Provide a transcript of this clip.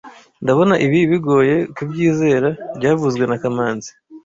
Ndabona ibi bigoye kubyizera byavuzwe na kamanzi